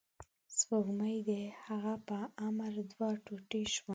سپوږمۍ د هغه په امر دوه ټوټې شوه.